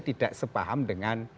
tidak sepaham dengan